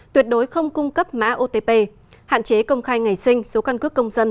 tuyệt đối không cung cấp mã otp hạn chế công khai ngày sinh số căn cước công dân